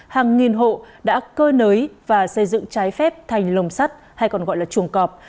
hàng nghìn hộ đã cơ nới và xây dựng trái phép thành lồng sắt hay còn gọi là chuồng cọp